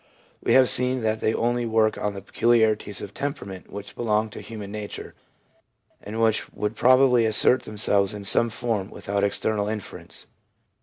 We have seen that they only work on those peculiarities of temperament which belong to human nature, and which would probably assert themselves in some form without external interference.